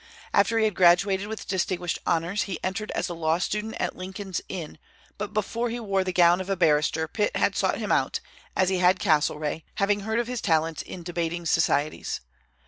After he had graduated with distinguished honors, he entered as a law student at Lincoln's Inn; but before he wore the gown of a barrister Pitt had sought him out, as he had Castlereagh, having heard of his talents in debating societies.